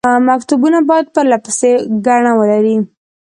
مکتوبونه باید پرله پسې ګڼه ولري.